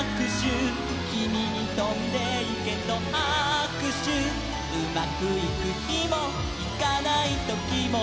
「キミにとんでいけとはくしゅ」「うまくいくひもいかないときも」